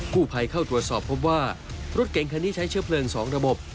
ผู้ภัยเข้าตรวจสอบพบว่ารถเก่งคันนี้ใช้เชื้อเพลิง๒ระบบ